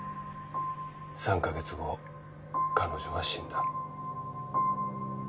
３カ月後彼女は死んだ。